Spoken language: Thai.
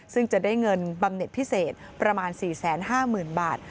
ซึ่งจะได้เงินบำเน็ตพิเศษประมาณ๔๕๐๐๐บาท